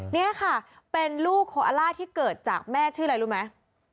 นี่ค่ะเป็นลูกโคอล่าที่เกิดจากแม่ชื่ออะไรรู้ไหม